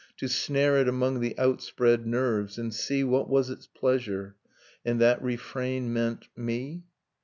To snare it among the outspread nerves, and see What was its pleasure .., And that refrain meant ... me